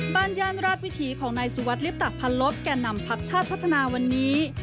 ย่านราชวิถีของนายสุวัสดิลิปตะพันลบแก่นำพักชาติพัฒนาวันนี้